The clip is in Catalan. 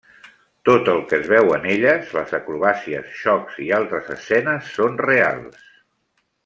Tot el que es veu en elles, les acrobàcies, xocs i altres escenes són reals.